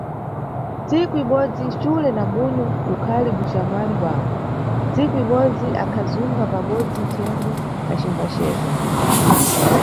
Ntsiku ibodzi, xule na bunyu ukhali buxamwali bwawo, ntsiku ibodzi akhazunga pabodzi nthengo acimbaceza.